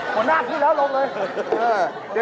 ขนาดขึ้นแล้วลงเลย